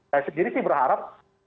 saya sendiri sih berharap